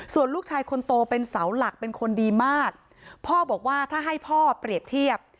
ส่วนลูกชายคนโตเป็นเสาหลักเป็นคนดีมากพ่อบอกว่าถ้าให้พ่อเปรียบเทียบ